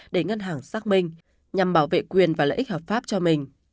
để ngân hàng xác minh nhằm bảo vệ quyền và lợi ích hợp pháp cho mình